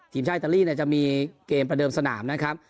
ชาวอิตาลีเนี่ยจะมีเกมประเดิมสนามนะครับ